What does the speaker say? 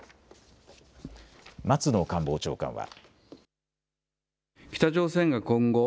松野官房長官は。